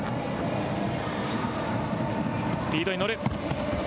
スピードに乗る。